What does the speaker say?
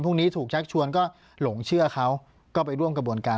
พวกนี้ถูกชักชวนก็หลงเชื่อเขาก็ไปร่วมกระบวนการ